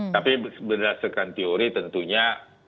tapi berdasarkan teori tentunya